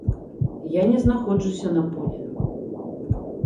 Я не знаходжуся на полі.